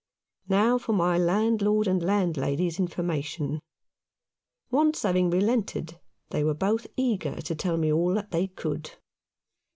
Now for my landlord and landlady's information. Once having relented, they were both eager to tell me all that they could. 186 Mr. Faunces Record.